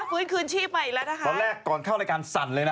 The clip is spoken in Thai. ฟื้นคืนชีพมาอีกแล้วนะคะตอนแรกก่อนเข้ารายการสั่นเลยนะ